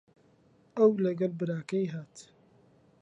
ئەو لەگەڵ براکەی هات.